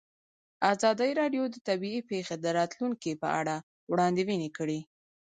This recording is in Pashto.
ازادي راډیو د طبیعي پېښې د راتلونکې په اړه وړاندوینې کړې.